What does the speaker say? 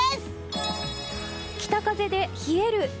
北風で冷える。